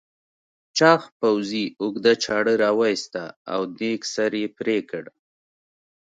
چاغ پوځي اوږده چاړه راوایسته او دېگ سر یې پرې کړ.